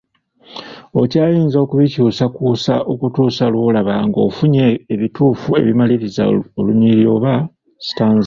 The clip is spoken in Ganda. Okyayinza okubikyusakykusa okutuusa lw’olaba ng’ofunye ebituufu ebimaliriza olunyiriri oba sitanza.